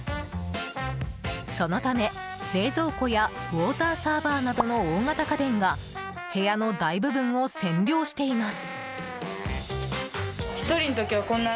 そのため、冷蔵庫やウォーターサーバーなどの大型家電が部屋の大部分を占領しています。